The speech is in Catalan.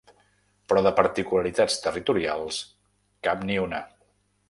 Però de particularitats territorials, cap ni una.